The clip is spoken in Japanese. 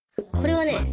これはね。